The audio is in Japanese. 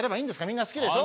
みんな好きでしょ？